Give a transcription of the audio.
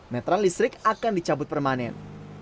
metral listrik akan dicabut permanen